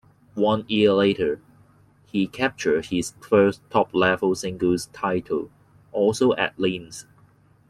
One year later he captured his first top-level singles title, also at Linz.